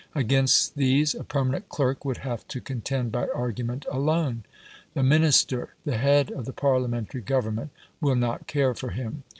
Against these a permanent clerk would have to contend by argument alone. The Minister, the head of the Parliamentary government, will not care for him.